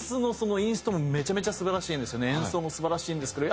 まずその演奏も素晴らしいんですけど